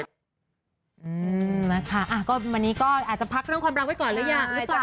นะคะวันนี้ก็อาจจะพักน้องความรักไว้ก่อนหรือยังหรือเปล่า